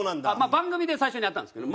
番組で最初にやったんですけど。